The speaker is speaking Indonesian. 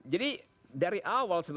jadi dari awal sebetulnya